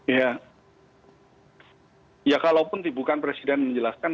ya ya kalaupun bukan presiden menjelaskan